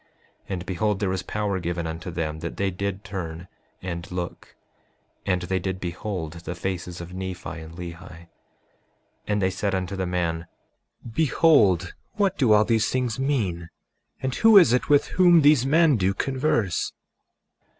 And behold, there was power given unto them that they did turn and look; and they did behold the faces of Nephi and Lehi. 5:38 And they said unto the man: Behold, what do all these things mean, and who is it with whom these men do converse?